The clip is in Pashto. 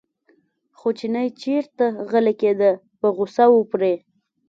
خو چینی چېرته غلی کېده په غوسه و پرې.